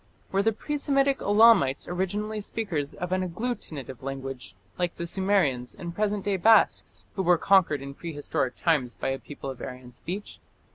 Were the pre Semitic Elamites originally speakers of an agglutinative language, like the Sumerians and present day Basques, who were conquered in prehistoric times by a people of Aryan speech?